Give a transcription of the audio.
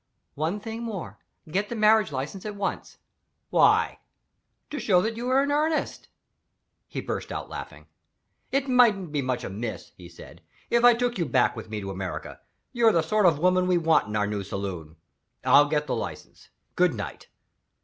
"One thing more. Get the marriage license at once." "Why?" "To show that you are in earnest." He burst out laughing. "It mightn't be much amiss," he said, "if I took you back with me to America; you're the sort of woman we want in our new saloon. I'll get the license. Good night."